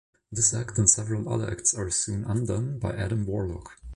This act and several other acts are soon undone by Adam Warlock.